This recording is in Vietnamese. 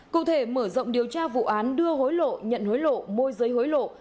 cụ thể mở rộng điều tra vụ án đưa hối lộ nhận hối lộ môi giới hối lộ